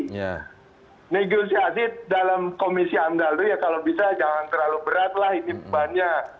negosiasi dalam komisi amdal itu ya kalau bisa jangan terlalu berat lah ini bebannya